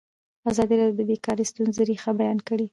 ازادي راډیو د بیکاري د ستونزو رېښه بیان کړې.